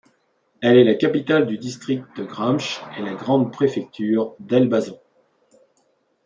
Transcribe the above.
Elle est la capitale du district de Gramsh et la grande préfecture d'Elbasan.